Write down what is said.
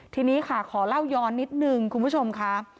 ทีนี้ค่ะขอเล่าย้อนนิดนึงคุณผู้ชมค่ะ